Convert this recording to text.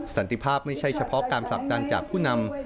สันติภาพไม่ใช่เฉพาะการผลักดันจากผู้นำ